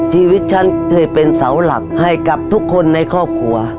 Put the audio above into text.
ชีวิตฉันเคยเป็นเสาหลักให้กับทุกคนในครอบครัว